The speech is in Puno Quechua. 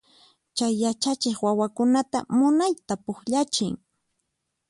Chay yachachiq wawakunata munayta pukllachin.